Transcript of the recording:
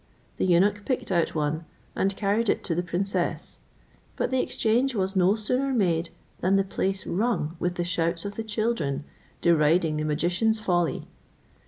The eunuch picked out one, and carried it to the princess; but the exchange was no sooner made than the place rung with the shouts of the children, deriding the magician's folly.